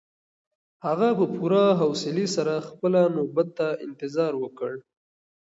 هغه په پوره حوصلي سره خپله نوبت ته انتظار وکړ.